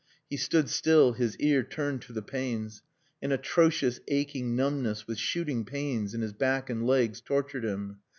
He stood still, his ear turned to the panes. An atrocious aching numbness with shooting pains in his back and legs tortured him.